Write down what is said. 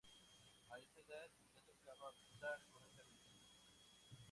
A esa edad, ya tocaba Mozart correctamente.